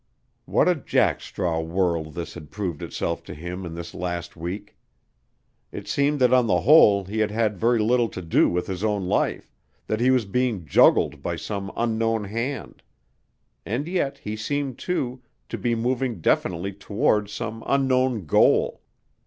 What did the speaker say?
What a jackstraw world this had proved itself to him in this last week! It seemed that on the whole he had had very little to do with his own life, that he was being juggled by some unknown hand. And yet he seemed, too, to be moving definitely towards some unknown goal.